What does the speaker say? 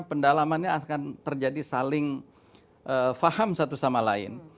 harapannya justru dengan adanya pendalamannya akan terjadi saling faham satu sama lain